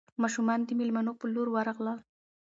ماشومان د مېلمنو په لور ورغلل.